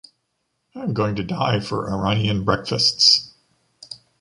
I'm going to die for Iranian breakfasts